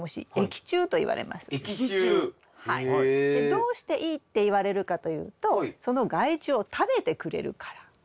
どうしていいっていわれるかというとその害虫を食べてくれるから。